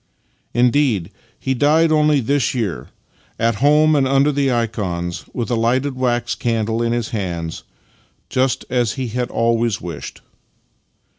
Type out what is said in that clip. Indeed, he died only this year — at home and under the ikons, with a lighted wax candle in his hands, just as he had always wished.